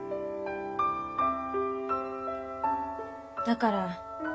だから。